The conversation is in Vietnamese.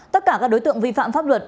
tất cả các đối tượng vi phạm pháp luật